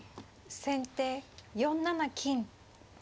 先手４七金。